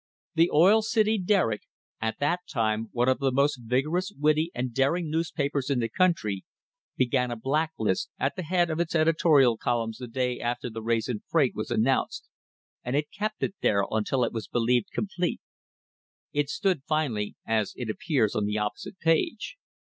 The Oil City Derrick, at that time one of the most vigorous, witty, and daring news papers in the country, began a black list at the head of its editorial columns the day after the raise in freight was announced, and it kept it there until it was believed com plete. It stood finally as it appears on the opposite page.